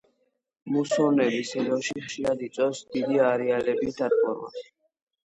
მუსონების სეზონში ხშირად იწვევს დიდი არეალების დატბორვას.